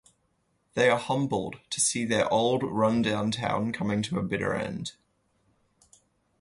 They are humbled to see their old, run-down town coming to a bitter end.